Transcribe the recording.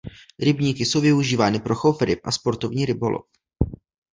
Rybníky jsou využívány pro chov ryb a sportovní rybolov.